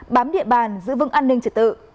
bám địa bàn giữ vững an ninh trật tự